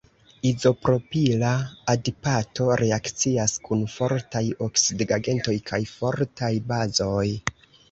Izopropila adipato reakcias kun fortaj oksidigagentoj kaj fortaj bazoj.